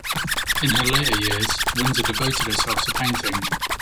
In her later years, Windsor devoted herself to painting.